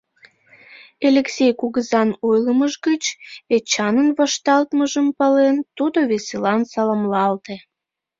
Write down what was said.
Элексей кугызан ойлымыж гыч Эчанын вашталтмыжым пален, тудо веселан саламлалте.